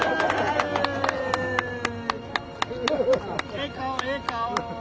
ええ顔ええ顔。